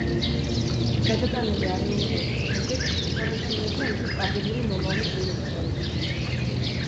გადატანილი არეულობების შემდეგ, ფლორენციელებმა იგი სტაბილური მომავლის იმედით აირჩიეს.